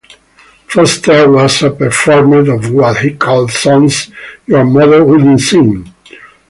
Foster was a performer of what he called songs your mother wouldn't sing.